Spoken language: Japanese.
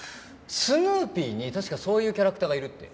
スヌーピーに確かそういうキャラクターがいるって。